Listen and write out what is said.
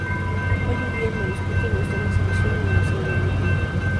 Hoy en día, el manuscrito no está en exhibición en el Museo de Brooklyn.